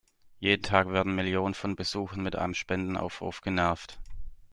Jeden Tag werden Millionen von Besuchern mit einem Spendenaufruf genervt.